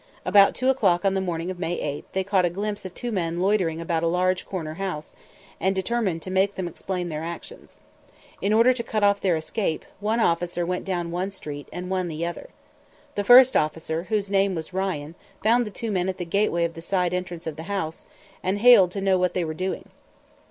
About two o'clock on the morning of May 8 they caught a glimpse of two men loitering about a large corner house, and determined to make them explain their actions. In order to cut off their escape, one officer went down one street and one the other. The first officer, whose name was Ryan, found the two men at the gateway of the side entrance of the house, and hailed to know what they were doing.